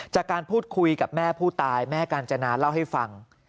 จากการพูดคุยกับแม่ผู้ตายแม่กาญจนาเล่าให้ฟัง